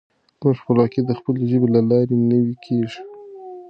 زموږ خپلواکي د خپلې ژبې له لارې نوي کېږي.